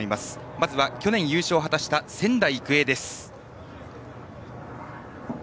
まずは去年優勝を果たした仙台育英です。